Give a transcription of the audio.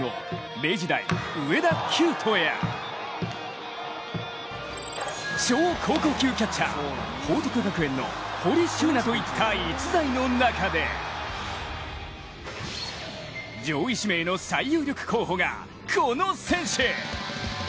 明治大・上田希由翔や超高校級キャッチャー、報徳学園の堀柊那といった逸材の中で上位指名の最有力候補がこの選手。